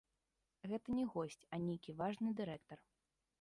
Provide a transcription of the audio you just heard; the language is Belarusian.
Гэта не госць, а нейкі важны дырэктар.